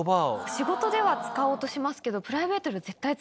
仕事では使おうとしますけど。